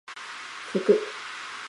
ふく